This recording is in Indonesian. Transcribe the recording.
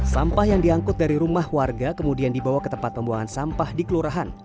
sampah yang diangkut dari rumah warga kemudian dibawa ke tempat pembuangan sampah di kelurahan